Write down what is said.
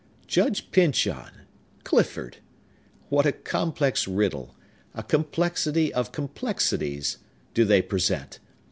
Judge Pyncheon! Clifford! What a complex riddle—a complexity of complexities—do they present!